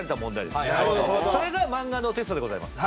それがマンガ脳テストでございます。